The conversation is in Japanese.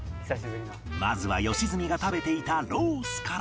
まずは良純が食べていたロースから